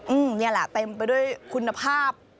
อืมนี่ล่ะเต็มไปด้วยคุณภาพ